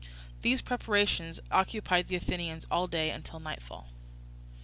These preparations occupied the Athenians all day until nightfall.